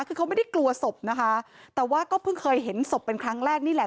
คือเขาไม่ได้กลัวศพนะคะแต่ว่าก็เพิ่งเคยเห็นศพเป็นครั้งแรกนี่แหละ